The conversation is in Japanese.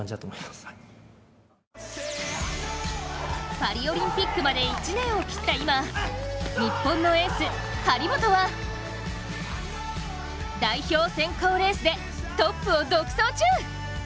パリオリンピックまで１年を切った今、日本のエース・張本は代表選考レースでトップを独走中！